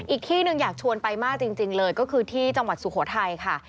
อีกที่หนึ่งอยากชวนไปมากจริงเลยก็คือที่จังหวัดสุโขทัยค่ะ